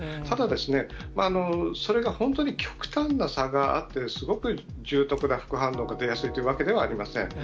ただ、それが本当に極端な差があって、すごく重篤な副反応が出やすいというわけではありません。